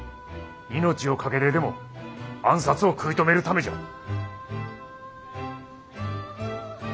命を懸けてでも暗殺を食い止めるためじゃ。